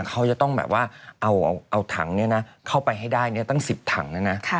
เขาจะต้องแบบว่าเอาถังเข้าไปให้ได้ตั้ง๑๐ถังนะนะ